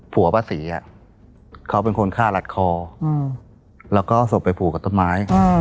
ป้าศรีเขาเป็นคนฆ่ารัดคอแล้วก็เอาศพไปผูกกับต้นไม้